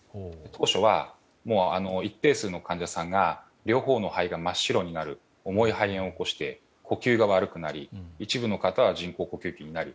当初は、一定数の患者さんが両方の肺が真っ白になる重い肺炎を起こして呼吸が悪くなり一部の方は人工呼吸器になる。